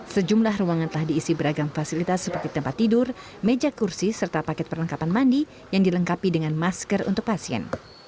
sejumlah ruangan telah diisi beragam fasilitas seperti tempat tidur meja kursi serta paket perlengkapan mandi yang dilengkapi dengan masker untuk pasien